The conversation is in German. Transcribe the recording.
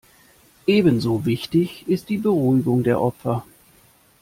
Ebenso wichtig ist die Beruhigung der Opfer.